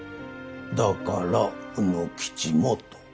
だから卯之吉もと？